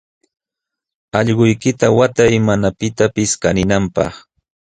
Allquykita watay mana pitapis kaninanpaq.